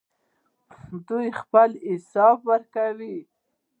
دوی خپل حساب ورکوي.